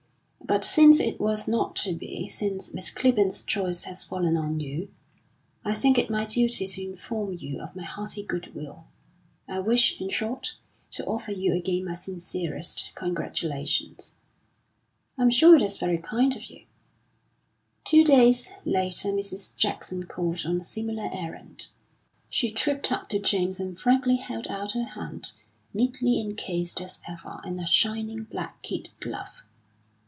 "But since it was not to be, since Miss Clibborn's choice has fallen on you, I think it my duty to inform you of my hearty goodwill. I wish, in short, to offer you again my sincerest congratulations." "I'm sure that's very kind of you." Two days, later Mrs. Jackson called on a similar errand. She tripped up to James and frankly held out her hand, neatly encased as ever in a shining black kid glove.